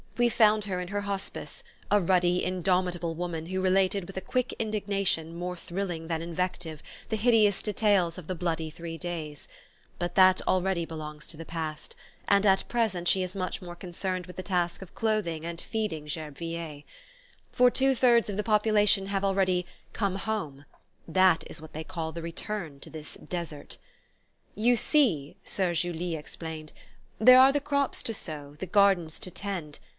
We found her in her Hospice, a ruddy, indomitable woman who related with a quiet indignation more thrilling than invective the hideous details of the bloody three days; but that already belongs to the past, and at present she is much more concerned with the task of clothing and feeding Gerbeviller. For two thirds of the population have already "come home" that is what they call the return to this desert! "You see," Soeur Julie explained, "there are the crops to sow, the gardens to tend.